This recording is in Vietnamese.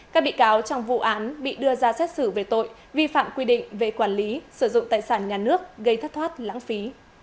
các bị cáo trong vụ án bị đưa ra xét xử về tội vi phạm quy định về quản lý sử dụng tài sản nhà nước gây thất thoát lãng phí